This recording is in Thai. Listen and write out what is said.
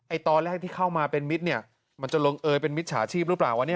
ตอนแรกที่เข้ามาเป็นมิตรเนี่ยมันจะลงเอยเป็นมิจฉาชีพหรือเปล่าวะเนี่ย